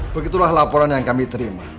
begitulah laporan yang kami terima